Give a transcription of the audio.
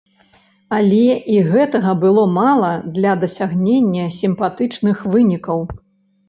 Але і гэтага было мала для дасягнення сімпатычных вынікаў.